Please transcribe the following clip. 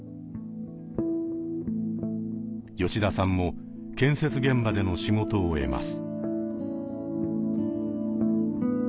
吉田さんも建設現場での仕事を得ます。